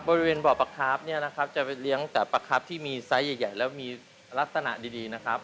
บริเวณบ่อปลาครับจะเลี้ยงจากปลาครับที่มีไซส์ใหญ่และมีลักษณะดีนะครับ